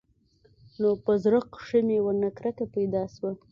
نو په زړه کښې مې ورنه کرکه پيدا سوه.